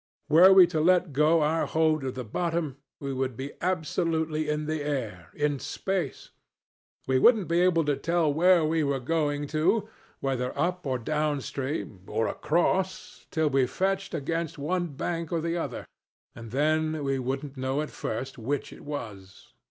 Were we to let go our hold of the bottom, we would be absolutely in the air in space. We wouldn't be able to tell where we were going to whether up or down stream, or across till we fetched against one bank or the other, and then we wouldn't know at first which it was.